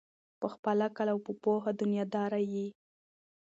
په خپل عقل او په پوهه دنیادار یې